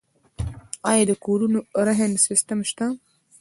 آیا د کورونو رهن سیستم شته؟